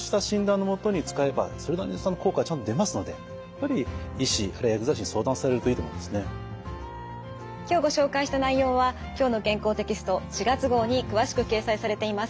ですので今はですね今日ご紹介した内容は「きょうの健康」テキスト４月号に詳しく掲載されています。